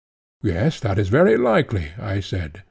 Yes, that is very likely, I said.